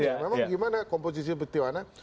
memang bagaimana komposisi seperti mana